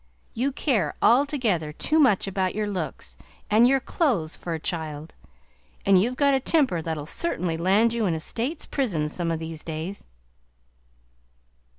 You care altogether too much about your looks and your clothes for a child, and you've got a temper that'll certainly land you in state's prison some o' these days!"